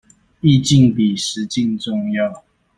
意境比實境重要